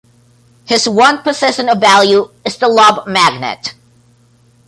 His one possession of value is the Love Magnet.